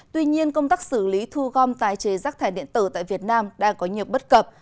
tuy nhiên công tác xử lý thu gom tái chế rác thải điện tử tại việt nam đang có nhiều bất cập